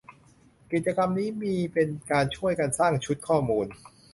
กิจกรรมนี้มีเป็นการช่วยกันสร้างชุดข้อมูล